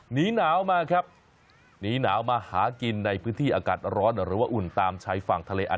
หนีหนาวมาครับหนีหนาวมาหากินในพื้นที่อากาศร้อนหรือว่าอุ่นตามชายฝั่งทะเลอัน